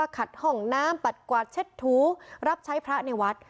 ขัดห้องน้ำปัดกวาดเช็ดถูรับใช้พระในวัด